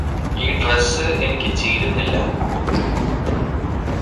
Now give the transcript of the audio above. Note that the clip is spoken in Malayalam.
ഈ ഡ്രസ്സ് എനിക്ക് ചേരുന്നില്ലാ